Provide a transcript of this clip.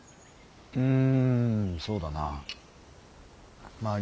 うんそうだなまあ